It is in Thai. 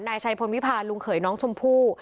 นายชัยพลวิพาลลุงเขยน้องชมพู่